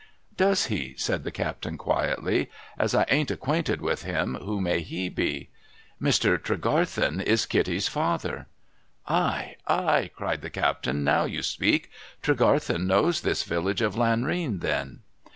'Does he?' said the captain quietly. 'As I ain't acquainted with him, who may he be ?'' Mr. Tregarthen is Kitty's father.' ' Ay, ay !' cried the captain. ' Now you speak ! Tregarthen knows this village of Lanrean, then